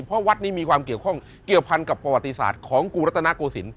เพราะวัดนี้มีความเกี่ยวข้องเกี่ยวพันกับประวัติศาสตร์ของกรุงรัตนโกศิลป